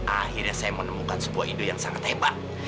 akhirnya saya menemukan sebuah indo yang sangat hebat